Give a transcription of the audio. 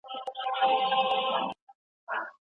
سازمانونه کله په ټاکنو کي ګډون کوي؟